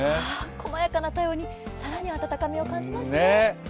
細やかな対応に更に温かみを感じますね。